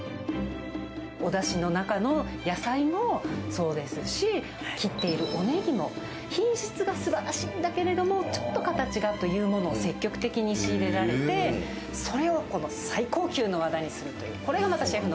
おだしの中の野菜もそうですし、切っているおねぎも品質がすばらしいんだけども、ちょっと形がというものを積極的に仕入れられて、それを最高級の技にするという。